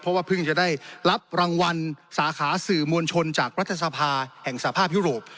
เพราะว่าเพิ่งจะได้รับรางวัลสาขาสื่อมวลชนจากรัฐสภาแห่งสภาพยุโรป